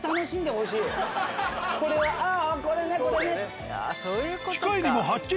これは「ああこれねこれね」。